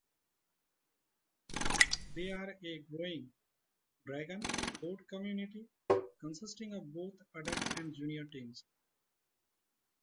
They are a growing dragon boat community consisting of both adult and junior teams.